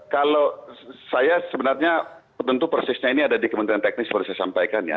kalau saya sebenarnya tentu persisnya ini ada di kementerian teknis seperti saya sampaikan ya